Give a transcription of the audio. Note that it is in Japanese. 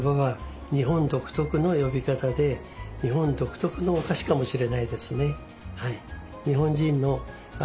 日本独特のお菓子かもしれないですね。